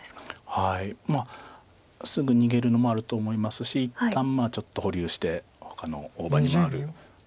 まあすぐ逃げるのもあると思いますし一旦ちょっと保留してほかの大場に回る。